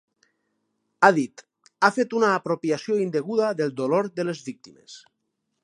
Ha dit: Ha fet una apropiació indeguda del dolor de les víctimes.